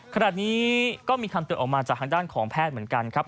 ขณะนี้ก็มีคำเตือนออกมาจากทางด้านของแพทย์เหมือนกันครับ